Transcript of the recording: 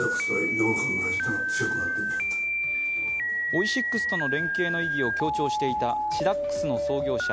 オイシックスとの連携の意義を強調していたシダックスの創業者